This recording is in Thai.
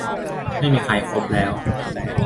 ไม่มีใครคบแล้ว